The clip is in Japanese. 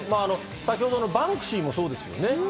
先ほどのバンクシーもそうですよね。